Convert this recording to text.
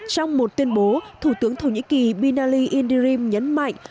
trong một tuyên bố thủ tướng thổ nhĩ kỳ binali indirim nhấn mạnh